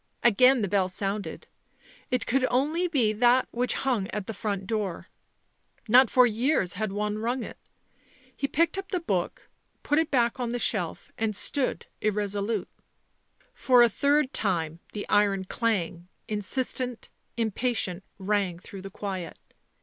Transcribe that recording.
Again the bell sounded. It could only be that which hung at the front door ; not for years had one rung it : he picked up the book, put it back on the shelf, and stood irresolute. For a third time the iron clang, in sistent, impatient, rang through the quiet.